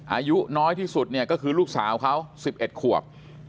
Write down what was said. อายุน้อยที่สุดเนี่ยก็คือลูกสาวเขา๑๑ขวบ